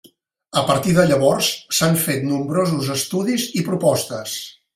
A partir de llavors, s'han fet nombrosos estudis i propostes.